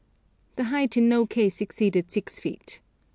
The height in no case exceeded six feet.